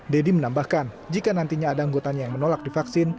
deddy menambahkan jika nantinya ada anggotanya yang menolak divaksin